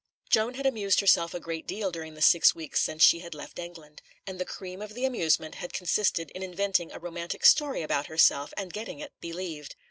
Joan had amused herself a great deal during the six weeks since she had left England, and the cream of the amusement had consisted in inventing a romantic story about herself and getting it believed.